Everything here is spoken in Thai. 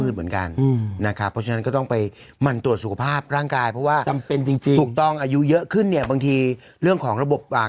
จริงตรูตรองอายุเยอะขึ้นเนี่ยบางทีเรื่องของระบบอ่า